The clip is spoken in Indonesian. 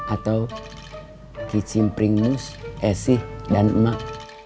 atau kicimpring mus eh sih dan emak